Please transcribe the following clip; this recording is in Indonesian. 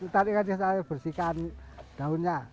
tarik aja saya bersihkan daunnya